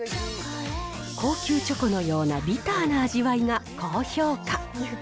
高級チョコのようなビターな味わいが高評価。